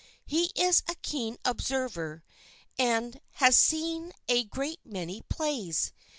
He is a keen observer and has seen a great many plays.